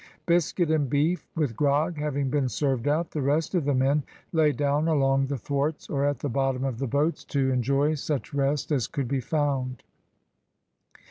Biscuit and beef, with grog, having been served out, the rest of the men lay down along the thwarts or at the bottom of the boats, to enjoy such rest as could be found.